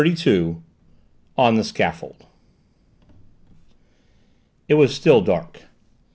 XXXII. ON THE SCAFFOLD It was still dark.